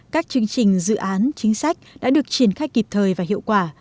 các chương trình dự án chính sách đã được triển khai kịp thời và hiệu quả